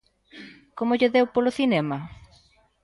Como lle deu polo cinema?